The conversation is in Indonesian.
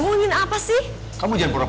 reva apaan yang ber muak